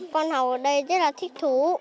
con học ở đây rất là thích thú